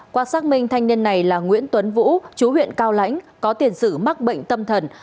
qua xác minh thanh niên này là nguyễn tuấn vũ chú huyện cao lãnh có tiền sử mắc bệnh tâm thần